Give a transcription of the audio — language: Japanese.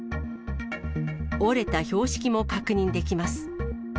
折れた標識も確認できます。